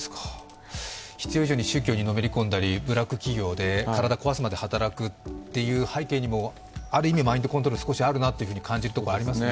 必要以上に宗教にのめり込んだり、ブラック企業で体を壊すまで働く背景にも、ある意味、マインドコントロールが少しあるなと感じるところがありますね。